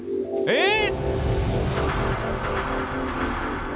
えっ。